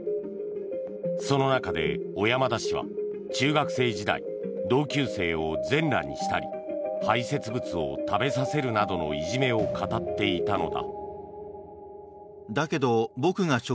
その中で、小山田氏は中学生時代同級生を全裸にしたり排せつ物を食べさせるなどのいじめを語っていたのだ。